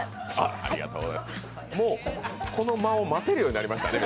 この間を待てるようになりましたね。